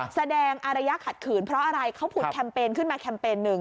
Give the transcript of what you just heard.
แสดงอารยะขัดขืนเพราะอะไรเขาผุดแคมเปญขึ้นมาแคมเปญหนึ่ง